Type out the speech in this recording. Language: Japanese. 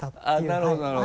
なるほどなるほど。